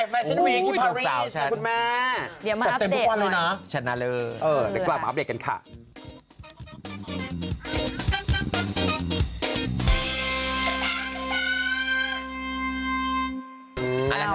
แฟชั่นวีคพารีสแต่คุณแม่เสร็จเต็มทุกวันเลยนะชันเนอเรแต่กลับมาอัพเดทกันค่ะ